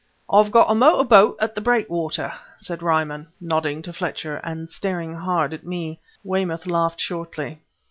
"I've got a motor boat at the breakwater," said Ryman, nodding to Fletcher, and staring hard at me. Weymouth laughed shortly.